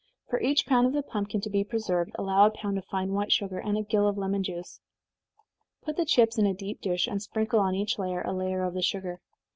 For each pound of the pumpkin to be preserved, allow a pound of fine white sugar, and a gill of lemon juice. Put the chips in a deep dish, and sprinkle on each layer a layer of the sugar.